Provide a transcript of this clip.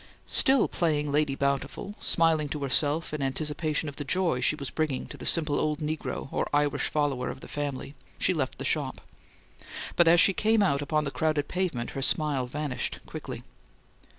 Still playing Lady Bountiful, smiling to herself in anticipation of the joy she was bringing to the simple old negro or Irish follower of the family, she left the shop; but as she came out upon the crowded pavement her smile vanished quickly.